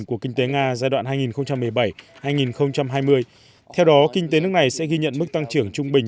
của kinh tế nga giai đoạn hai nghìn một mươi bảy hai nghìn hai mươi theo đó kinh tế nước này sẽ ghi nhận mức tăng trưởng trung bình